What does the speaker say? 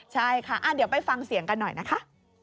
ใช่ค่ะเดี๋ยวไปฟังเสียงกันหน่อยนะคะ